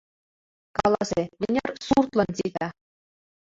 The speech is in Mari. — Каласе: мыняр суртлан сита?